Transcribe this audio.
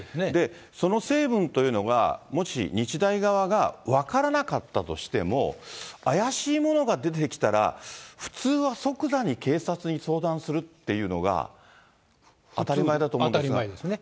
その成分というのが、もし日大側が分からなかったとしても、怪しいものが出てきたら、普通は即座に警察に相談するっていうのが当たり前だと思うんです当たり前ですね。